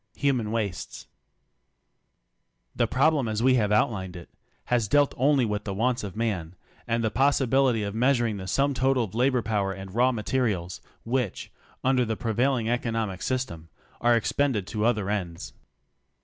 HUMAN WASTES The problem as we have outlined it, has dealt only with the wants of man, and the possibility of measuring the sum total of labor power and raw materials, which, under the pre vailing economic system, are expended to other ends.